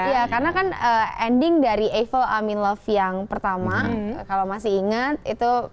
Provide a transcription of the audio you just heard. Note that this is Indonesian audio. iya karena kan ending dari aiffle amin love yang pertama kalau masih ingat itu